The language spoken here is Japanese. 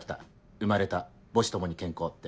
「生まれた母子共に健康」って。